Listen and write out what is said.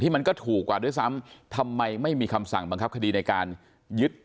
มันก็ถูกกว่าด้วยซ้ำทำไมไม่มีคำสั่งบังคับคดีในการยึด